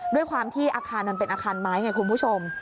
ด้วยความที่อาคารมันเป็นอาคารไม้ไงคุณผู้ชม